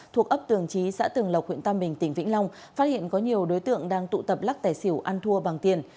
thuộc ấp tường trí xã tường lộc huyện tam bình tỉnh vĩnh long phát hiện có nhiều đối tượng đang tụ tập lắc tài xỉu ăn thua bằng tiền